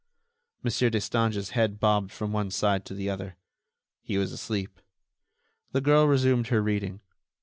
Monsieur Destange's head bobbed from one side to the other. He was asleep. The girl resumed her reading.